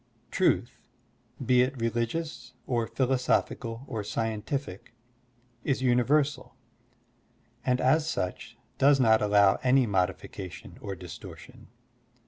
Truth, be it religious or philosophical or scientific, is univer sal, and as such does not allow any modification or distortion.